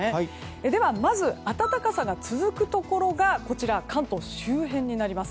では、まず暖かさが続くところが関東周辺になります。